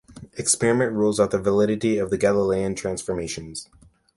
Experiment rules out the validity of the Galilean transformations.